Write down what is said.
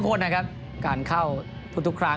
ส่วนที่สุดท้ายส่วนที่สุดท้าย